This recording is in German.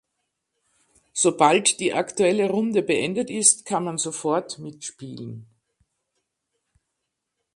Sobald die aktuelle Runde beendet ist kann man sofort mitspielen.